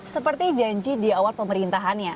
seperti janji diawat pemerintahannya